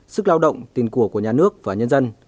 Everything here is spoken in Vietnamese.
sức lao động tiền của của nhà nước và nhân dân